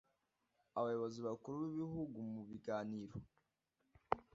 Abayobozi bakuru b’Igihugu mu biganiro